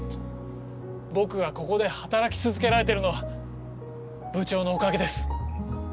僕がここで働き続けられてるのは部長のおかげです。